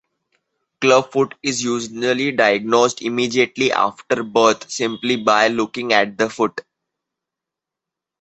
Clubfoot is usually diagnosed immediately after birth simply by looking at the foot.